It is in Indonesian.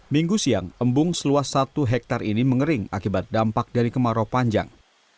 minggu siang embung seluas satu hektare ini mengering akibat dampak dari kemarau panjang